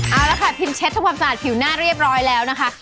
เอาละค่ะพิมเช็ดทำความสะอาดผิวหน้าเรียบร้อยแล้วนะคะ